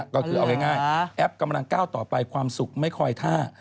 ก็คือเอาง่ายแอปกำลังก้าวต่อไปความสุขไม่คอยท่า